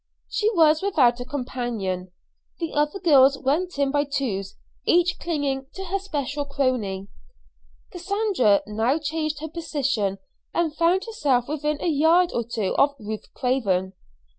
She was without a companion. The other girls went in by twos, each clinging to her special crony. Cassandra now changed her position, and found herself within a yard or two of Ruth Craven.